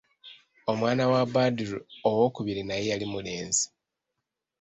Omwana wa Badru owookubiri naye yali mulenzi.